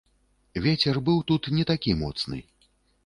Вецер быў тут не такі моцны.